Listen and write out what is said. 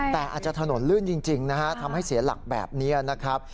แต่อาจจะถนนลื่นจริงนะฮะทำให้เสียหลักแบบนี้นะครับ